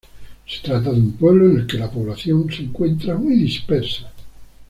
Se trata de un pueblo en el que la población se encuentra muy dispersa.